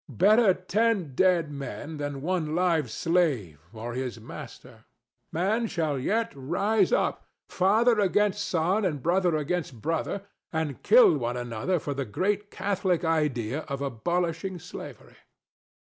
Better ten dead men than one live slave or his master. Men shall yet rise up, father against son and brother against brother, and kill one another for the great Catholic idea of abolishing slavery.